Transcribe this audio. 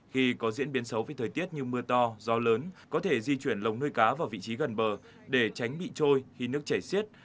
khi có diễn biến xấu với thời tiết như mưa to gió lớn có thể di chuyển lồng nuôi cá vào vị trí gần bờ để tránh bị trôi khi nước chảy xiết